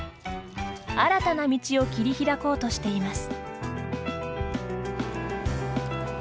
新たな道を切り開こうとしています。